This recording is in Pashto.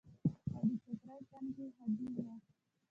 او د چترۍ تنکي هډونه